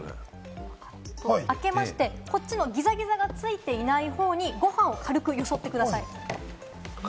開けまして、ギザギザがついていないほうに、ご飯を軽くよそってください。